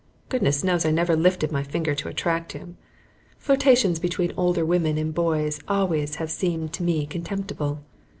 Goodness knows I never lifted my finger to attract him. Flirtations between older women and boys always have seemed to me contemptible.